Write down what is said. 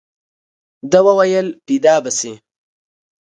ده وويل پيدا به شي.